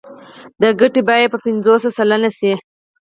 د ګټې بیه به پنځوس سلنه شي